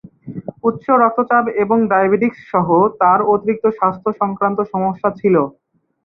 উচ্চ রক্তচাপ এবং ডায়াবেটিস সহ তাঁর অতিরিক্ত স্বাস্থ্য সংক্রান্ত সমস্যা ছিল।